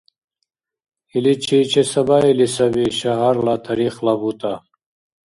Иличи чесабаили саби шагьарла тарихла бутӀа.